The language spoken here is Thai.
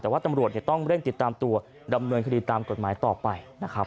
แต่ว่าตำรวจต้องเร่งติดตามตัวดำเนินคดีตามกฎหมายต่อไปนะครับ